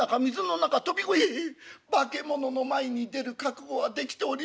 「ええ化け物の前に出る覚悟はできておりません」。